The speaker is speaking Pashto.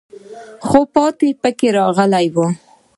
خو پاتې پکې راغلی وو.